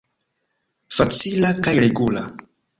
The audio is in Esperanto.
Facila kaj regula.